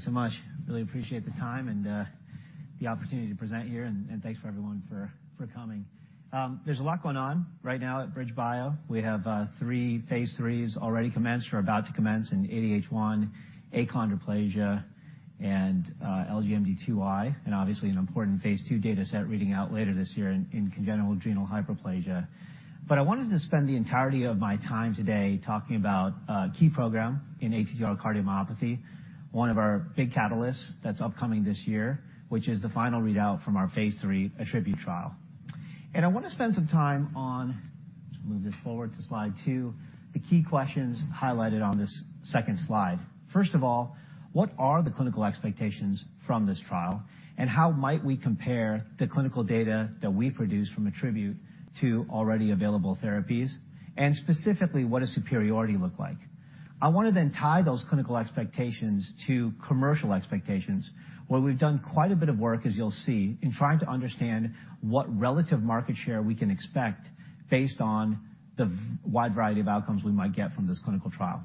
Thanks so much. Really appreciate the time and the opportunity to present here, and thanks for everyone for coming. There's a lot going on right now at BridgeBio. We have 3 phase IIIs already commenced or about to commence in ADH1, achondroplasia, and LGMD2I, and obviously an important phase II data set reading out later this year in congenital adrenal hyperplasia. I wanted to spend the entirety of my time today talking about a key program in ATTR cardiomyopathy, one of our big catalysts that's upcoming this year, which is the final readout from our phase III ATTRibute-CM trial. I wanna spend some time on, just move this forward to slide 2, the key questions highlighted on this second slide. First of all, what are the clinical expectations from this trial? How might we compare the clinical data that we produce from ATTRibute-CM to already available therapies? Specifically, what does superiority look like? I want to then tie those clinical expectations to commercial expectations, where we've done quite a bit of work, as you'll see, in trying to understand what relative market share we can expect based on the wide variety of outcomes we might get from this clinical trial.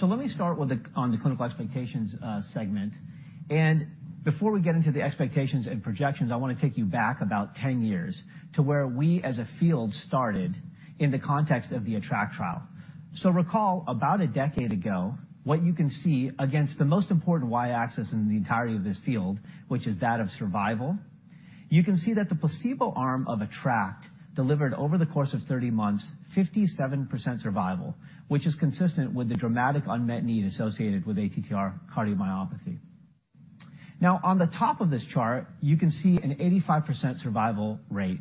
Let me start on the clinical expectations segment. Before we get into the expectations and projections, I want to take you back about 10 years to where we as a field started in the context of the ATTR-ACT trial. Recall about a decade ago, what you can see against the most important Y-axis in the entirety of this field, which is that of survival, you can see that the placebo arm of ATTR-ACT delivered over the course of 30 months 57% survival, which is consistent with the dramatic unmet need associated with ATTR cardiomyopathy. On the top of this chart, you can see an 85% survival rate,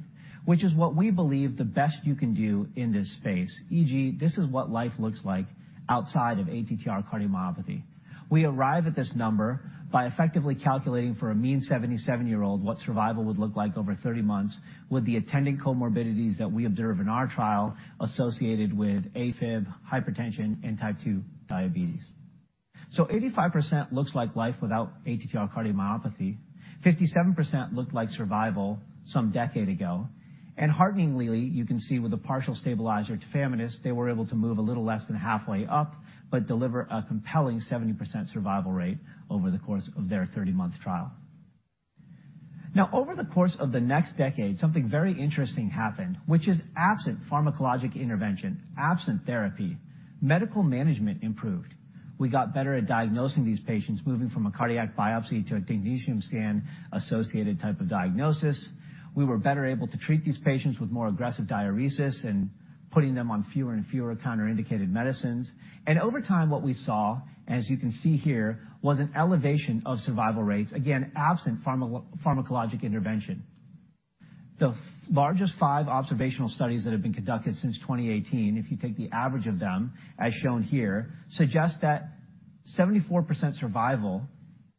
which is what we believe the best you can do in this space, e.g., this is what life looks like outside of ATTR cardiomyopathy. We arrive at this number by effectively calculating for a mean 77-year-old what survival would look like over 30 months with the attending comorbidities that we observe in our trial associated with AFib, hypertension, and type 2 diabetes. Eighty-five percent looks like life without ATTR cardiomyopathy. 57% looked like survival some decade ago. Hearteningly, you can see with the partial stabilizer tafamidis, they were able to move a little less than halfway up, but deliver a compelling 70% survival rate over the course of their 30-month trial. Over the course of the next decade, something very interesting happened, which is absent pharmacologic intervention, absent therapy, medical management improved. We got better at diagnosing these patients, moving from a cardiac biopsy to a technetium scan-associated type of diagnosis. We were better able to treat these patients with more aggressive diuresis and putting them on fewer and fewer counterindicated medicines. Over time, what we saw, as you can see here, was an elevation of survival rates, again, absent pharmacologic intervention. The largest five observational studies that have been conducted since 2018, if you take the average of them, as shown here, suggest that 74% survival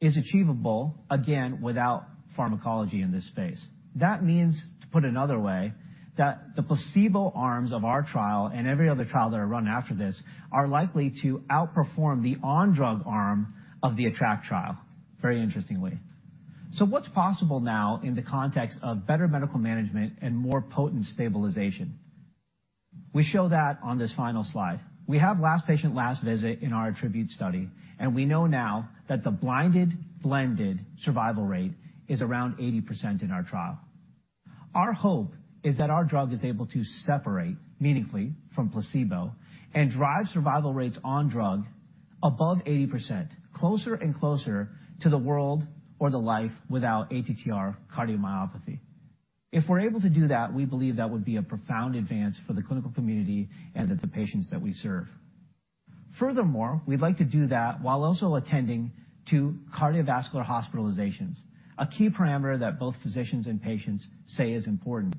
is achievable, again, without pharmacology in this space. That means, to put another way, that the placebo arms of our trial and every other trial that are run after this are likely to outperform the on-drug arm of the ATTR-ACT trial, very interestingly. What's possible now in the context of better medical management and more potent stabilization? We show that on this final slide. We have last patient, last visit in our ATTRibute-CM study, and we know now that the blinded, blended survival rate is around 80% in our trial. Our hope is that our drug is able to separate meaningfully from placebo and drive survival rates on drug above 80%, closer and closer to the world or the life without ATTR cardiomyopathy. If we're able to do that, we believe that would be a profound advance for the clinical community and the patients that we serve. Furthermore, we'd like to do that while also attending to cardiovascular hospitalizations, a key parameter that both physicians and patients say is important.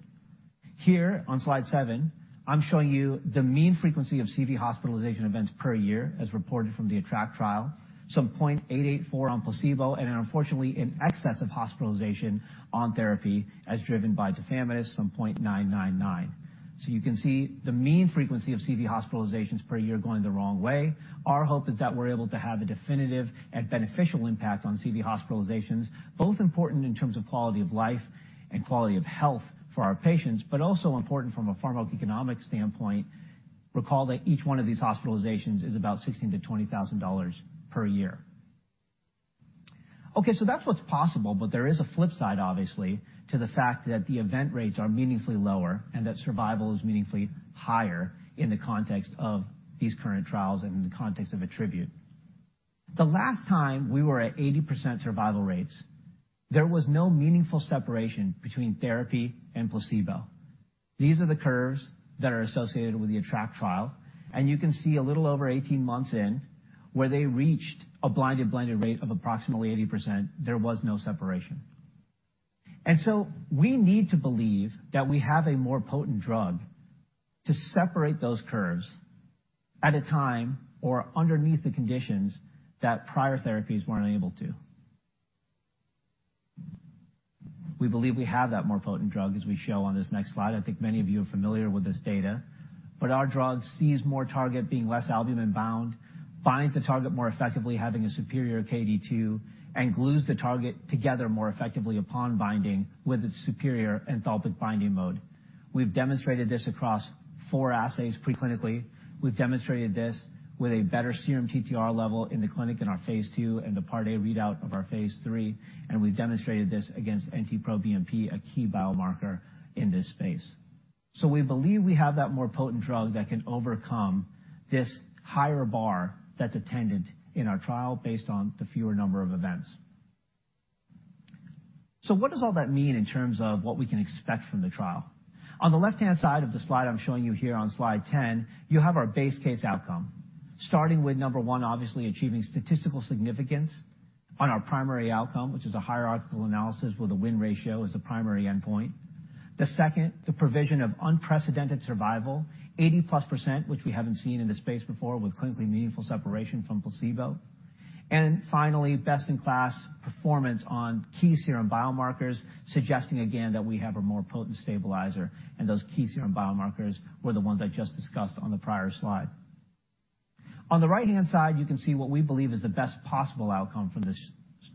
Here on slide 7, I'm showing you the mean frequency of CV hospitalization events per year as reported from the ATTR-ACT trial, 0.884 on placebo. Unfortunately, in excess of hospitalization on therapy as driven by tafamidis, 0.999. You can see the mean frequency of CV hospitalizations per year going the wrong way. Our hope is that we're able to have a definitive and beneficial impact on CV hospitalizations, both important in terms of quality of life and quality of health for our patients, also important from a pharmacoeconomic standpoint. Recall that each one of these hospitalizations is about $16,000-$20,000 per year. That's what's possible, there is a flip side, obviously, to the fact that the event rates are meaningfully lower and that survival is meaningfully higher in the context of these current trials and in the context of ATTRibute-CM. The last time we were at 80% survival rates, there was no meaningful separation between therapy and placebo. These are the curves that are associated with the ATTR-ACT trial, you can see a little over 18 months in where they reached a blinded, blended rate of approximately 80%, there was no separation. We need to believe that we have a more potent drug to separate those curves at a time or underneath the conditions that prior therapies weren't able to. We believe we have that more potent drug, as we show on this next slide. I think many of you are familiar with this data. Our drug sees more target being less albumin-bound, binds the target more effectively having a superior Kd, and glues the target together more effectively upon binding with its superior enthalpic binding mode. We've demonstrated this across four assays preclinically. We've demonstrated this with a better serum TTR level in the clinic in our phase II and the part A readout of our phase III. We've demonstrated this against NT-proBNP, a key biomarker in this space. We believe we have that more potent drug that can overcome this higher bar that's attended in our trial based on the fewer number of events. What does all that mean in terms of what we can expect from the trial? On the left-hand side of the slide I'm showing you here on slide 10, you have our base case outcome, starting with number one, obviously achieving statistical significance on our primary outcome, which is a hierarchical analysis with a win ratio as the primary endpoint. The second, the provision of unprecedented survival, 80%+, which we haven't seen in this space before, with clinically meaningful separation from placebo. Finally, best-in-class performance on key serum biomarkers, suggesting again that we have a more potent stabilizer, and those key serum biomarkers were the ones I just discussed on the prior slide. On the right-hand side, you can see what we believe is the best possible outcome from this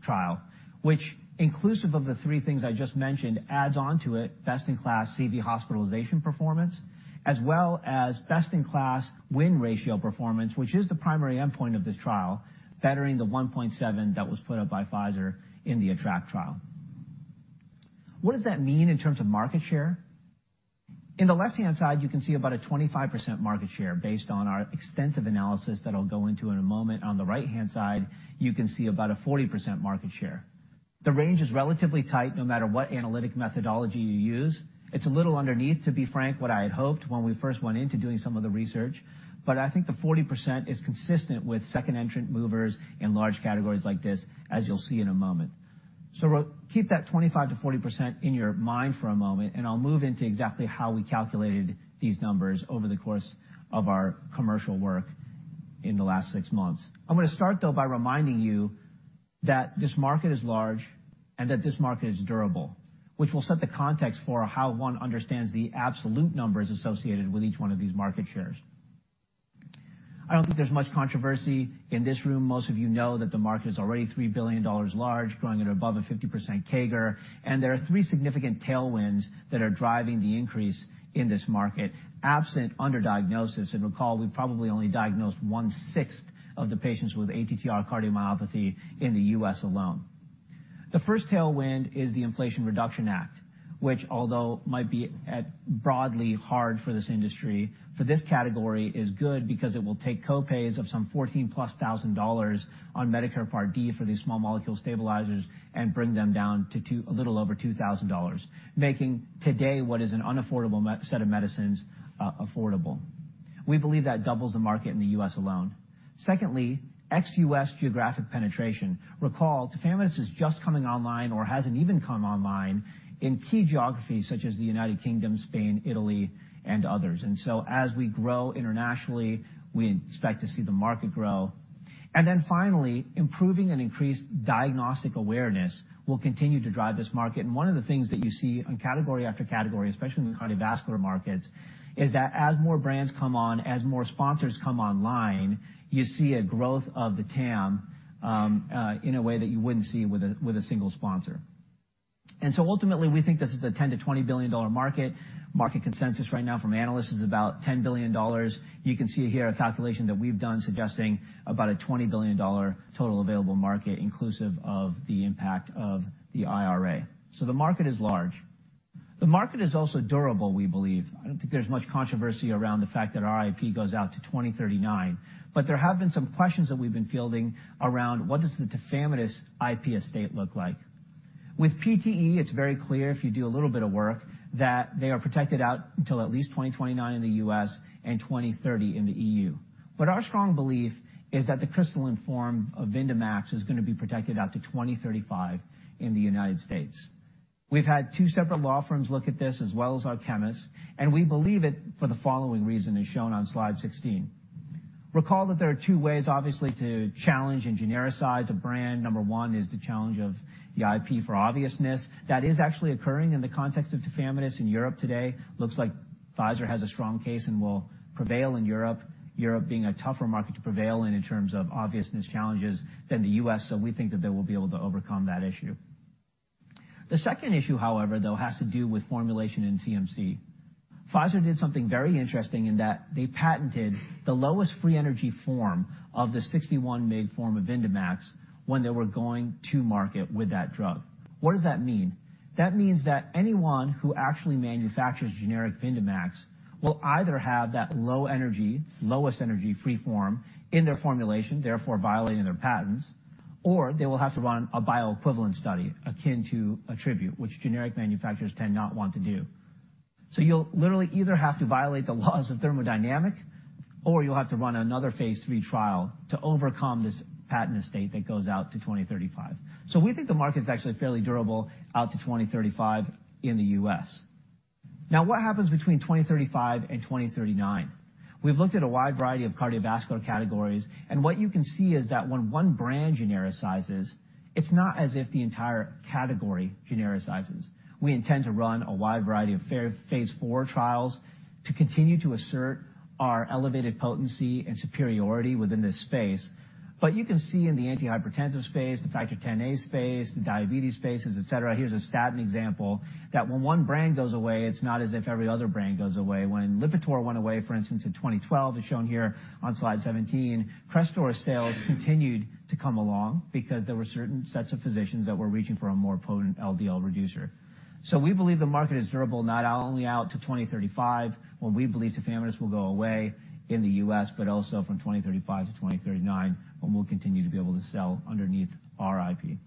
trial, which inclusive of the three things I just mentioned, adds on to it best-in-class CV hospitalization performance, as well as best-in-class win ratio performance, which is the primary endpoint of this trial, bettering the 1.7 that was put up by Pfizer in the ATTR-ACT trial. What does that mean in terms of market share? In the left-hand side, you can see about a 25% market share based on our extensive analysis that I'll go into in a moment. On the right-hand side, you can see about a 40% market share. The range is relatively tight, no matter what analytic methodology you use. It's a little underneath, to be frank, what I had hoped when we first went into doing some of the research, but I think the 40% is consistent with second entrant movers in large categories like this, as you'll see in a moment. Keep that 25%-40% in your mind for a moment, and I'll move into exactly how we calculated these numbers over the course of our commercial work in the last 6 months. I'm gonna start, though, by reminding you that this market is large and that this market is durable, which will set the context for how one understands the absolute numbers associated with each one of these market shares. I don't think there's much controversy in this room. Most of you know that the market is already $3 billion large, growing at above a 50% CAGR, and there are three significant tailwinds that are driving the increase in this market. Absent underdiagnosis, recall we probably only diagnosed one-sixth of the patients with ATTR cardiomyopathy in the U.S. alone. The first tailwind is the Inflation Reduction Act, which although might be at broadly hard for this industry, for this category is good because it will take co-pays of some $14+ thousand on Medicare Part D for these small molecule stabilizers and bring them down to a little over $2 thousand, making today what is an unaffordable set of medicines affordable. We believe that doubles the market in the U.S. alone. Secondly, ex-U.S. geographic penetration. Recall, Tafamidis is just coming online or hasn't even come online in key geographies such as the United Kingdom, Spain, Italy, and others. As we grow internationally, we expect to see the market grow. Finally, improving and increased diagnostic awareness will continue to drive this market. One of the things that you see on category after category, especially in the cardiovascular markets, is that as more brands come on, as more sponsors come online, you see a growth of the TAM in a way that you wouldn't see with a, with a single sponsor. Ultimately, we think this is a $10 billion-$20 billion market. Market consensus right now from analysts is about $10 billion. You can see here a calculation that we've done suggesting about a $20 billion total available market inclusive of the impact of the IRA. The market is large. The market is also durable, we believe. I don't think there's much controversy around the fact that our IP goes out to 2039. There have been some questions that we've been fielding around what does the tafamidis IP estate look like. With PTE, it's very clear if you do a little bit of work, that they are protected out until at least 2029 in the U.S. and 2030 in the EU. Our strong belief is that the crystalline form of VYNDAMAX is gonna be protected out to 2035 in the United States. We've had two separate law firms look at this as well as our chemists, and we believe it for the following reason, as shown on slide 16. Recall that there are two ways, obviously, to challenge and genericize a brand. Number one is the challenge of the IP for obviousness. That is actually occurring in the context of tafamidis in Europe today. Looks like Pfizer has a strong case and will prevail in Europe. Europe being a tougher market to prevail in in terms of obviousness challenges than the U.S., so we think that they will be able to overcome that issue. The second issue, however, though, has to do with formulation in CMC. Pfizer did something very interesting in that they patented the lowest free energy form of the 61 mg form of VYNDAMAX when they were going to market with that drug. What does that mean? That means that anyone who actually manufactures generic VYNDAMAX will either have that low energy, lowest energy free form in their formulation, therefore violating their patents, or they will have to run a bioequivalence study akin to ATTRibute-CM, which generic manufacturers tend not want to do. You'll literally either have to violate the laws of thermodynamics or you'll have to run another phase 3 trial to overcome this patent estate that goes out to 2035. We think the market's actually fairly durable out to 2035 in the U.S. Now, what happens between 2035 and 2039? We've looked at a wide variety of cardiovascular categories, and what you can see is that when one brand genericizes, it's not as if the entire category genericizes. We intend to run a wide variety of phase 4 trials to continue to assert our elevated potency and superiority within this space. You can see in the antihypertensive space, the Factor Xa space, the diabetes spaces, et cetera, here's a statin example, that when one brand goes away, it's not as if every other brand goes away. When Lipitor went away, for instance, in 2012, as shown here on slide 17, Crestor sales continued to come along because there were certain sets of physicians that were reaching for a more potent LDL reducer. We believe the market is durable, not only out to 2035, when we believe tafamidis will go away in the U.S., but also from 2035 to 2039, when we'll continue to be able to sell underneath our IP.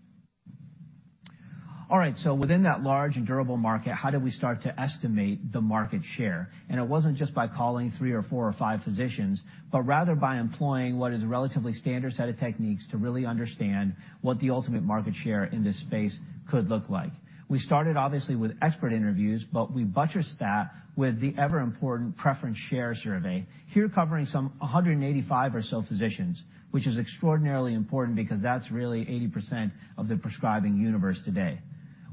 All right, within that large and durable market, how do we start to estimate the market share? It wasn't just by calling three or four or five physicians, but rather by employing what is a relatively standard set of techniques to really understand what the ultimate market share in this space could look like. We started, obviously, with expert interviews, but we buttressed that with the ever-important preference share survey, here covering some 185 or so physicians, which is extraordinarily important because that's really 80% of the prescribing universe today.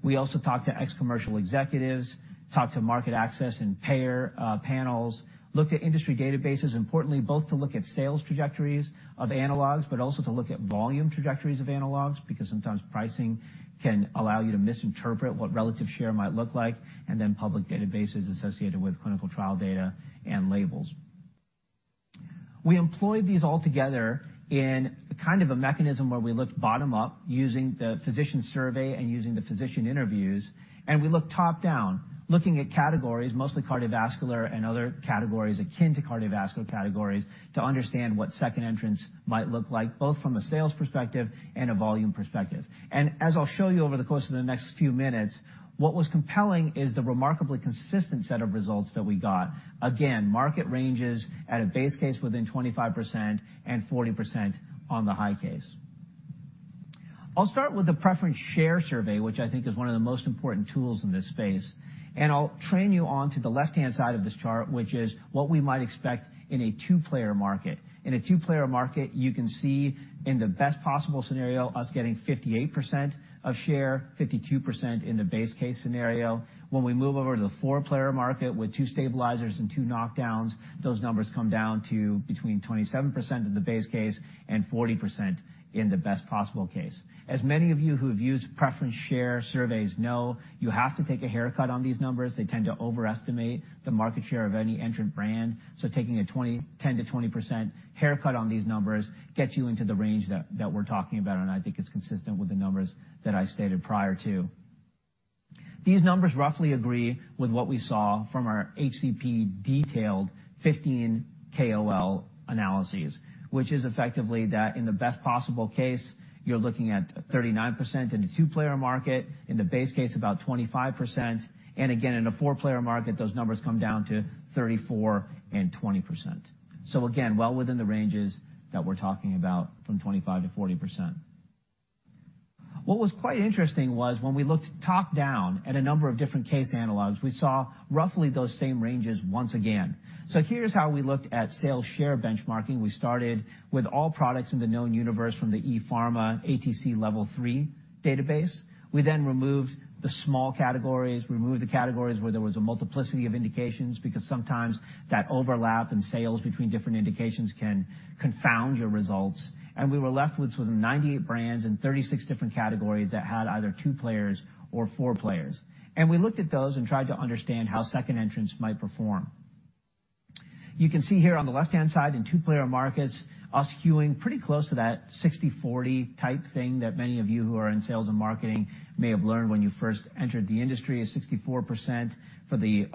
We also talked to ex-commercial executives, talked to market access and payer panels, looked at industry databases, importantly, both to look at sales trajectories of analogs, but also to look at volume trajectories of analogs because sometimes pricing can allow you to misinterpret what relative share might look like, and then public databases associated with clinical trial data and labels. We employed these all together in kind of a mechanism where we looked bottom up using the physician survey and using the physician interviews, and we looked top-down, looking at categories, mostly cardiovascular and other categories akin to cardiovascular categories, to understand what second entrants might look like, both from a sales perspective and a volume perspective. As I'll show you over the course of the next few minutes, what was compelling is the remarkably consistent set of results that we got. Market range is at a base case within 25% and 40% on the high case. I'll start with the preference share survey, which I think is one of the most important tools in this space. I'll train you on to the left-hand side of this chart, which is what we might expect in a two-player market. In a two-player market, you can see in the best possible scenario, us getting 58% of share, 52% in the base case scenario. When we move over to the four-player market with two stabilizers and two knockdowns, those numbers come down to between 27% in the base case and 40% in the best possible case. As many of you who have used preference share surveys know, you have to take a haircut on these numbers. They tend to overestimate the market share of any entrant brand, taking a 10% to 20% haircut on these numbers gets you into the range that we're talking about, and I think it's consistent with the numbers that I stated prior too. These numbers roughly agree with what we saw from our HCP-detailed 15 KOL analyses, which is effectively that in the best possible case, you're looking at 39% in the 2-player market, in the base case about 25%, and again, in a 4-player market, those numbers come down to 34% and 20%. Again, well within the ranges that we're talking about from 25% to 40%. What was quite interesting was when we looked top-down at a number of different case analogs, we saw roughly those same ranges once again. Here's how we looked at sales share benchmarking. We started with all products in the known universe from the EphMRA ATC level 3 database. We removed the small categories, removed the categories where there was a multiplicity of indications because sometimes that overlap in sales between different indications can confound your results. We were left with sort of 98 brands and 36 different categories that had either two players or four players. We looked at those and tried to understand how second entrants might perform. You can see here on the left-hand side in two-player markets, us skewing pretty close to that 60/40 type thing that many of you who are in sales and marketing may have learned when you first entered the industry is 64% for the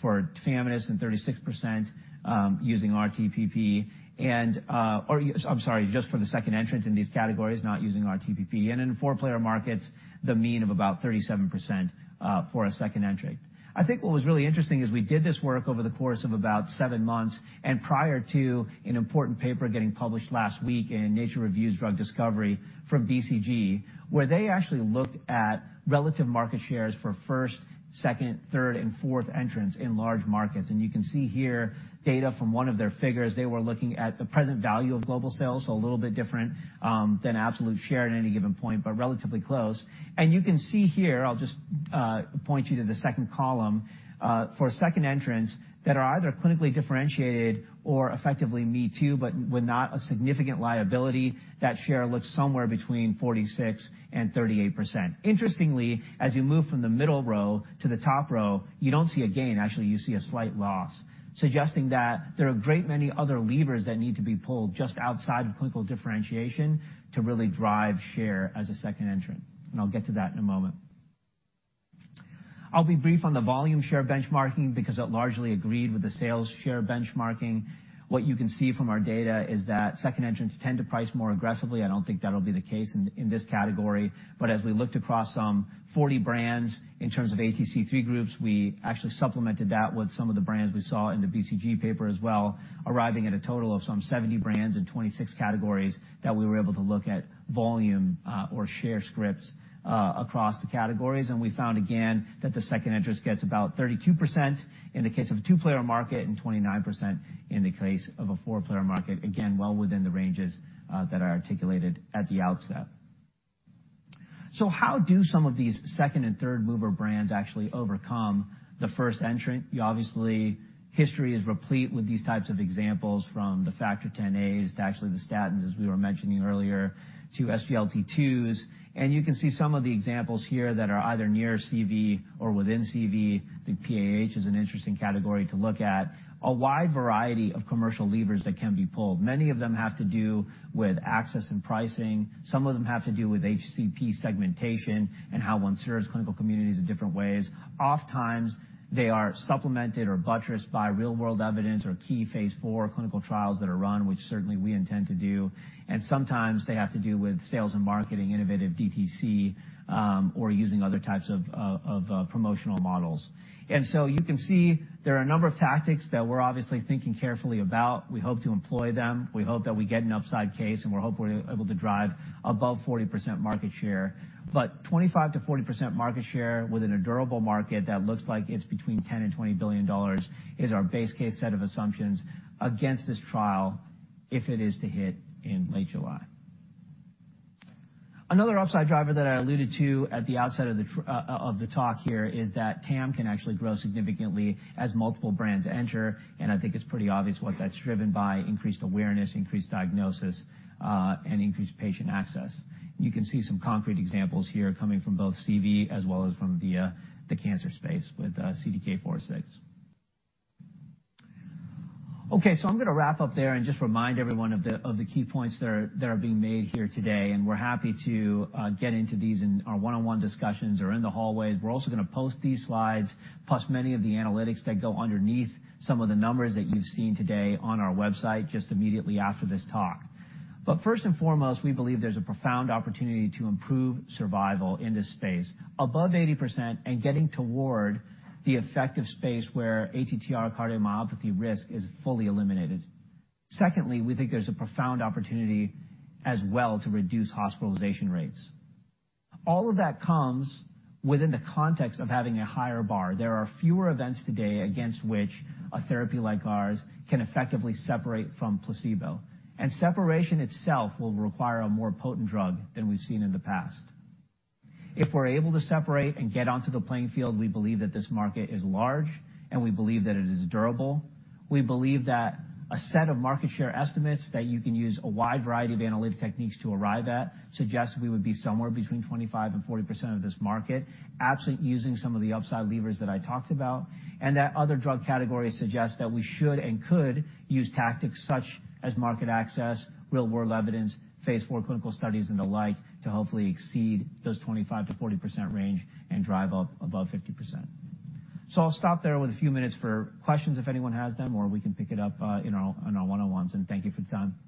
for tafamidis and 36% using RTPP Or, I'm sorry, just for the second entrants in these categories, not using RTPP. In 4-player markets, the mean of about 37% for a second entrant. I think what was really interesting is we did this work over the course of about 7 months and prior to an important paper getting published last week in Nature Reviews Drug Discovery from BCG, where they actually looked at relative market shares for first, second, third, and fourth entrants in large markets. You can see here data from one of their figures. They were looking at the present value of global sales, so a little bit different than absolute share at any given point, but relatively close. You can see here, I'll just point you to the second column for second entrants that are either clinically differentiated or effectively me too, but with not a significant liability, that share looks somewhere between 46% and 38%. Interestingly, as you move from the middle row to the top row, you don't see a gain. Actually, you see a slight loss, suggesting that there are a great many other levers that need to be pulled just outside of clinical differentiation to really drive share as a second entrant, I'll get to that in a moment. I'll be brief on the volume share benchmarking because it largely agreed with the sales share benchmarking. What you can see from our data is that second entrants tend to price more aggressively. I don't think that'll be the case in this category. As we looked across some 40 brands in terms of ATC level 3 groups, we actually supplemented that with some of the brands we saw in the BCG paper as well, arriving at a total of some 70 brands and 26 categories that we were able to look at volume, or share scripts across the categories. We found again that the second entrants gets about 32% in the case of a 2-player market and 29% in the case of a 4-player market, again, well within the ranges that I articulated at the outset. How do some of these second and third mover brands actually overcome the first entrant? You obviously. History is replete with these types of examples from the Factor Xa's to actually the statins, as we were mentioning earlier, to SGLT2s. You can see some of the examples here that are either near CV or within CV. I think PAH is an interesting category to look at. A wide variety of commercial levers that can be pulled. Many of them have to do with access and pricing. Some of them have to do with HCP segmentation and how one serves clinical communities in different ways. Oft times, they are supplemented or buttressed by real-world evidence or key phase 4 clinical trials that are run, which certainly we intend to do. Sometimes they have to do with sales and marketing, innovative DTC, or using other types of promotional models. You can see there are a number of tactics that we're obviously thinking carefully about. We hope to employ them. We hope that we get an upside case, and we're hopefully able to drive above 40% market share. 25%-40% market share within a durable market that looks like it's between $10 billion and $20 billion is our base case set of assumptions against this trial if it is to hit in late July. Another upside driver that I alluded to at the outset of the talk here is that TAM can actually grow significantly as multiple brands enter, and I think it's pretty obvious what that's driven by, increased awareness, increased diagnosis, and increased patient access. You can see some concrete examples here coming from both CV as well as from the cancer space with CDK4/6. I'm gonna wrap up there and just remind everyone of the key points that are being made here today, and we're happy to get into these in our one-on-one discussions or in the hallways. We're also gonna post these slides plus many of the analytics that go underneath some of the numbers that you've seen today on our website just immediately after this talk. First and foremost, we believe there's a profound opportunity to improve survival in this space above 80% and getting toward the effective space where ATTR cardiomyopathy risk is fully eliminated. Secondly, we think there's a profound opportunity as well to reduce hospitalization rates. All of that comes within the context of having a higher bar. There are fewer events today against which a therapy like ours can effectively separate from placebo. Separation itself will require a more potent drug than we've seen in the past. If we're able to separate and get onto the playing field, we believe that this market is large, and we believe that it is durable. We believe that a set of market share estimates that you can use a wide variety of analytic techniques to arrive at suggests we would be somewhere between 25% and 40% of this market, absent using some of the upside levers that I talked about. Other drug categories suggest that we should and could use tactics such as market access, real-world evidence, phase 4 clinical studies and the like to hopefully exceed those 25%-40% range and drive up above 50%. I'll stop there with a few minutes for questions if anyone has them, or we can pick it up in our one-on-ones, and thank you for your time.